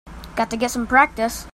Got to get some practice.